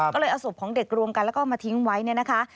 ก็เลยเอาศพของเด็กรวมกันแล้วก็มาทิ้งไว้เนี่ยนะคะ